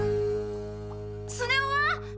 スネ夫は？